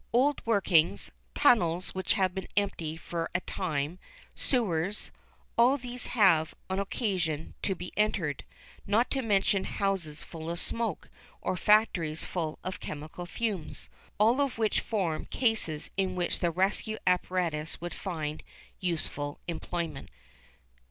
Old workings, tunnels which have been empty for a time, sewers all these have, on occasion, to be entered, not to mention houses full of smoke, or factories full of chemical fumes, all of which form cases in which the rescue apparatus would find useful employment.